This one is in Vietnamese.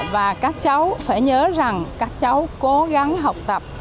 và các cháu phải nhớ rằng các cháu cố gắng học tập